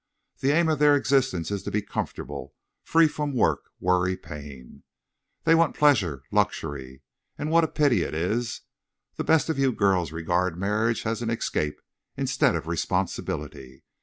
The aim of their existence is to be comfortable, free from work, worry, pain. They want pleasure, luxury. And what a pity it is! The best of you girls regard marriage as an escape, instead of responsibility.